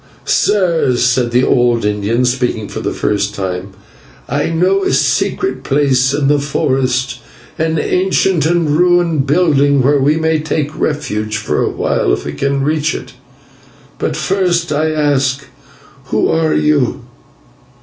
"Sirs," said the old Indian, speaking for the first time, "I know a secret place in the forest, an ancient and ruined building, where we may take refuge for a while if we can reach it. But first I ask, who are you?"